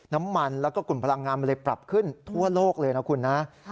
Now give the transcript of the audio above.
น้ำมันแล้วก็กลุ่มพลังงานมันเลยปรับขึ้นทั่วโลกเลยนะคุณนะ